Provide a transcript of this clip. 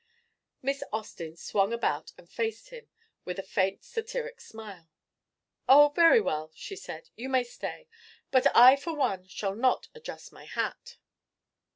Miss Austin swung about and faced him with a faint satiric smile. "Oh, very well," she said. "You may stay; but I for one shall not adjust my hat."